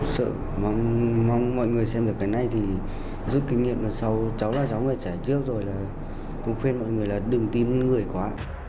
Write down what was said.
sợ mong mọi người xem được cái này thì giúp kinh nghiệm là sau cháu là cháu phải trả trước rồi là cũng khuyên mọi người là đừng tin người quá